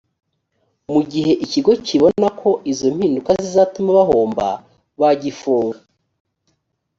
mu gihe ikigo kibona ko izo mpinduka zizatuma bahomba bagifunga